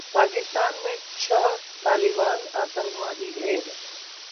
पाकिस्तान में छह तालिबान आतंकवादी ढेर